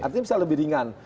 artinya bisa lebih ringan